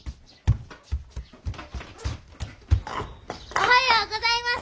おはようございます！